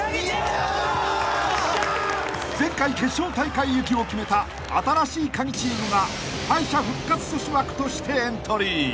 ［前回決勝大会行きを決めた新しいカギチームが敗者復活阻止枠としてエントリー］